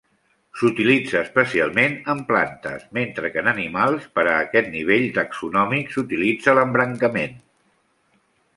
S'utilitza especialment en plantes, mentre que en animals, per a aquest nivell taxonòmic, s'utilitza l'embrancament.